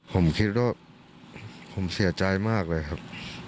ผมคิดว่าผมเสียใจมากเลยครับ